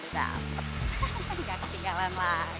gak ketinggalan lagi